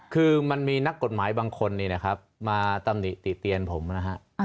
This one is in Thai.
คือมันมีนักกฎหมายบางคนมาติดเตียนผมนะครับ